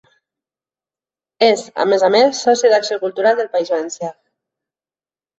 És, a més a més, soci d'Acció Cultural del País Valencià.